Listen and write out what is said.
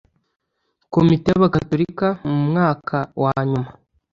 kominote y’abagatolika mu mwaka wa nyuma